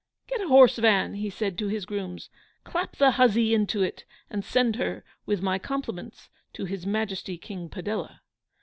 'Get a horse van!' he said to his grooms, 'clap the hussy into it, and send her, with my compliments, to His Majesty King Padella.